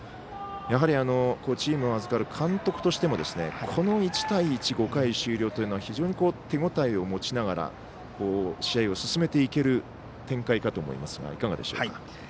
やはりチームを預かる監督としてもこの１対１で５回終了というのは非常に手応えを持ちながら試合を進めていける展開かと思いますがいかがでしょうか？